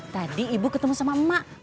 tadi ibu ketemu sama emak